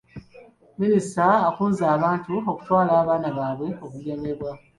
Minisita akunze abantu okutwala abaana baabwe okugemebwa.